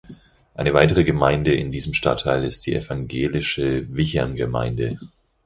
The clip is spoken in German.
Eine weitere Gemeinde in diesem Stadtteil ist die evangelische Wichern-Gemeinde.